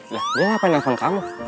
lha dia ngapain telepon kamu